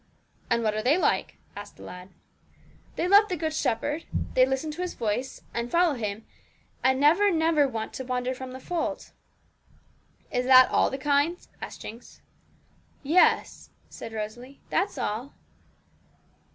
'And what are they like?' asked the lad. 'They love the Good Shepherd; they listen to His voice, and follow Him, and never, never want to wander from the fold.' 'Is that all the kinds?' asked Jinx. 'Yes,' said Rosalie, 'that's all.'